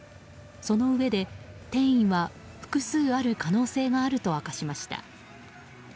そのうえで転移は複数ある可能性があると明かしました。